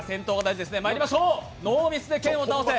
まいりましょう、ノーミスでケンを倒せ！